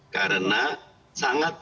karena sangat banyak yang menurut saya